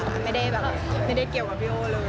ไม่ได้แบบไม่ได้เกี่ยวกับพี่โอเลย